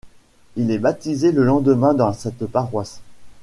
Il est baptisé le lendemain dans cette paroisse.